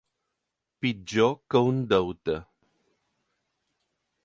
Pitjor que un deute.